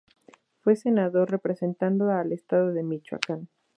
Fue senador representando al estado de Michoacán.